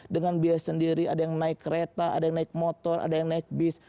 dengan biaya sendiri ada yang naik kereta ada yang naik motor ada yang naik bis